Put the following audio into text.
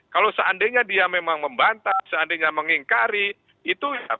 kalau seandainya dia memang membantah seandainya mengingkari itu ya